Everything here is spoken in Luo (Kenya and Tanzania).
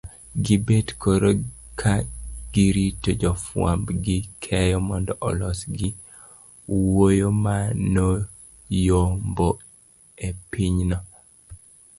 gibet koro ka girito jofwambo gi keyo mondo olos gi wuoyimanoyomboepinyno